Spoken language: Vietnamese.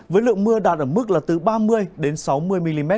với lượng mưa đạt ở mức là từ ba mươi đến sáu mươi mm